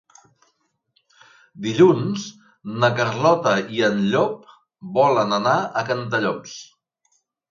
Dilluns na Carlota i en Llop volen anar a Cantallops.